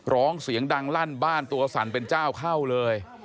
ร้องเสียงดังลั่นบ้านตัวสั่นเป็นเจ้าเข้าเลย